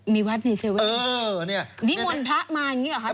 มีวัดใน๗๑๑นี้นี่มนตร์พระมาอย่างนี้หรือยังไง